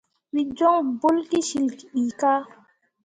Wǝ jon bolle ki cil ɓii kah.